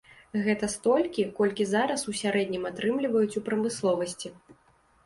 Гэта столькі, колькі зараз у сярэднім атрымліваюць у прамысловасці.